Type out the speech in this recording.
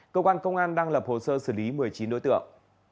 cơ quan công an đang lập hồ sơ xử lý một mươi chín đối tượng